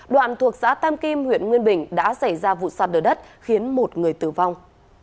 đoạn thuộc xã tam kim huyện nguyên bình đã xảy ra vụ sạt đỡ đất khiến một người tử vong